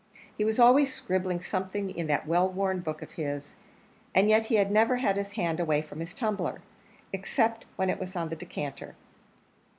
He was always scribbling something in that well worn book of his, and yet he never had his hand away from his tumbler except when it was on the decanter.